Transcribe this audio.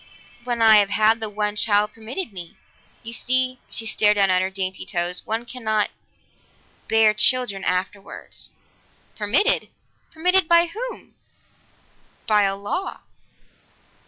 "When I have had the one child permitted me. You see" she stared down at her dainty toes "one cannot bear children afterwards." "Permitted? Permitted by whom?" "By a law."